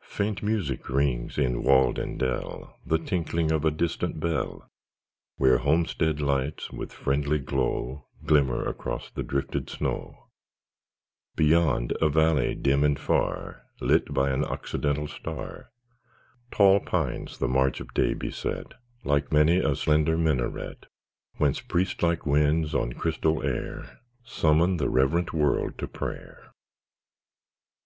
80 ni Faint music rings in wold and dell, The tinkling of a distant bell, Where homestead lights with friendly glow Glimmer across the drifted snow ; Beyond a valley dim and far Lit by an occidental star, Tall pines the marge of day beset Like many a slender minaret, Whence priest like winds on crystal air Summon the reverent world to prayer.